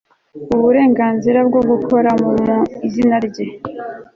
uburenganzira bwo gukora mu izina rye